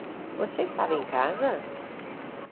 Você estava em casa?